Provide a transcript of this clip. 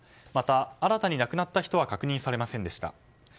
また、新たに亡くなった人は確認されませんでした。